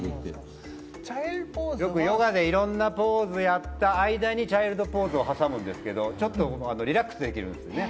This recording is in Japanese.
よくヨガでいろんなポーズをやった間にチャイルドポーズを挟むんですけど、ちょっとリラックスできるんですね。